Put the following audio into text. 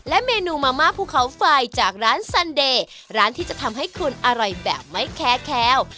และเมนูมัมม่าผู้เขาไฟล์จากร้านซั่นเดร้านที่จะทำให้คุณอร่อยแบบไม่เค๋